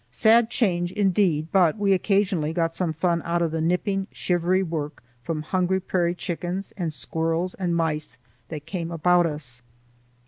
Sad change, indeed, but we occasionally got some fun out of the nipping, shivery work from hungry prairie chickens, and squirrels and mice that came about us.